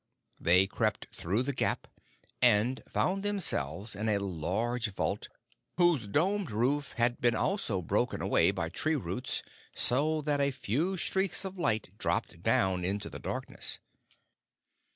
They crept through the gap, and found themselves in a large vault, whose domed roof had been also broken away by tree roots so that a few streaks of light dropped down into the darkness.